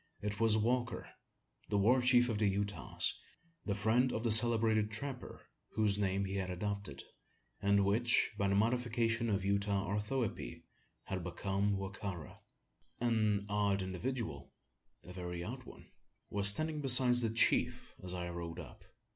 It was Walker the war chief of the Utahs the friend of the celebrated trapper, whose name he had adopted; and which, by the modification of Utah orthoepy, had become Wa ka ra. An odd individual a very odd one was standing beside the chief as I rode up.